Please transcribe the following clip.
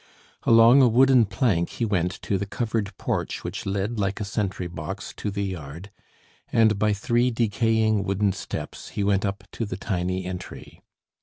Along a wooden plank he went to the covered porch which led like a sentry box to the yard, and by three decaying wooden steps he went up to the tiny entry.